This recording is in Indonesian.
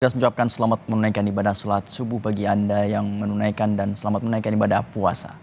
terima kasih selamat menunaikan ibadah sholat subuh bagi anda yang menunaikan dan selamat menaikkan ibadah puasa